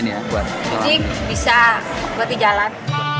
bisa buat di jalan